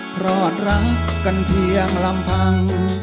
รอดรักกันเพียงลำพัง